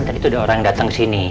tadi tuh ada orang datang sini